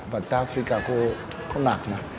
แต่อาฟิกาก็หนักมาก